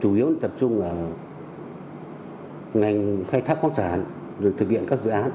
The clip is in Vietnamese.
chủ yếu tập trung ở ngành khai thác khoản sản thực hiện các dự án